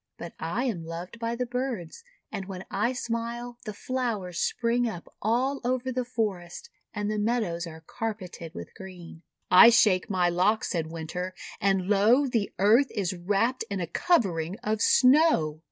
But I am loved by the birds, and when I smile the flowers spring up all over the forest, and the meadows are carpeted with green." "I shake my locks," said Winter, "and, lo, the Earth is wrapped in a covering of Snow!'